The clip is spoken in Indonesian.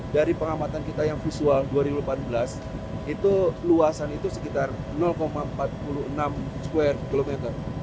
dari pengamatan kita yang visual dua ribu delapan belas itu luasan itu sekitar empat puluh enam square kilometer